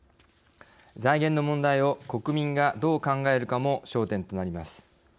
財源の問題を国民がどう考えるかも焦点となります。